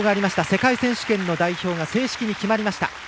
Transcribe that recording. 世界選手権の代表が正式に決まりました。